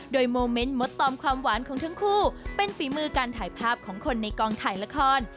โดยโมเมนต์มดตอมความหวานของทั้งคู่เป็นฝีมือการถ่ายภาพของคนในกองถ่ายละคร